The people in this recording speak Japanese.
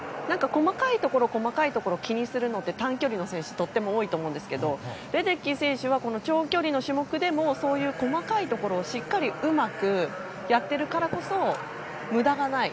細かいところ、細かいところを気にするのって短距離の選手でとっても多いと思うんですけどレデッキー選手は長距離の種目でも細かいところをしっかりうまくやっているからこそ無駄がない。